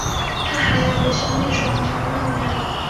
她还有个兄弟是网球运动员。